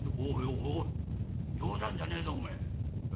「お冗談じゃねえぞおめえ。